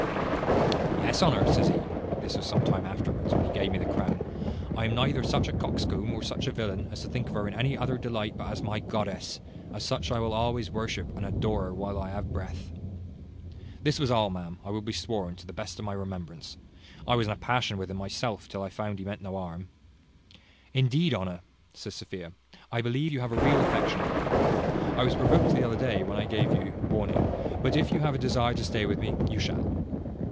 "Yes, Honour, says he (this was some time afterwards, when he gave me the crown), I am neither such a coxcomb, or such a villain, as to think of her in any other delight but as my goddess; as such I will always worship and adore her while I have breath. This was all, ma'am, I will be sworn, to the best of my remembrance. I was in a passion with him myself, till I found he meant no harm." "Indeed, Honour," says Sophia, "I believe you have a real affection for me. I was provoked the other day when I gave you warning; but if you have a desire to stay with me, you shall."